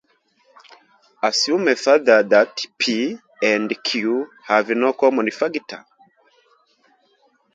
Assume further that "P" and "Q" have no common factor.